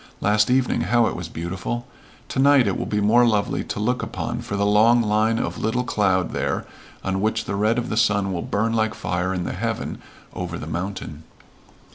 Last evening how it was beautiful! To night it will be more lovely to look upon for the long line of little cloud there on which the red of the sun will burn like fire in the heaven over the mountain."